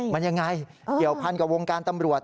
มันยังไงเกี่ยวพันกับวงการตำรวจ